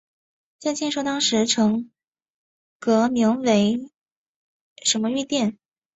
在建设当时成巽阁名为巽御殿。